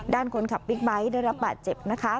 ด้านคนขับบิ๊กไบท์ได้รับบาดเจ็บนะคะ